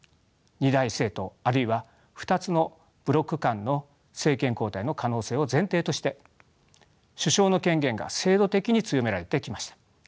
二大政党あるいは２つのブロック間の政権交代の可能性を前提として首相の権限が制度的に強められてきました。